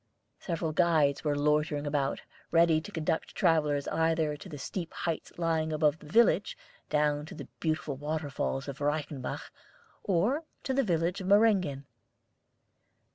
Several guides were loitering about, ready to conduct travellers either to the steep heights lying above the village, down to the beautiful water falls of the Reichenbach, or to the village of Meyringen.